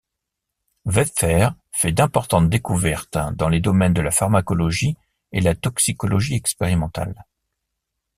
Wepfer fait d'importantes découvertes dans les domaines de la pharmacologie et la toxicologie expérimentale.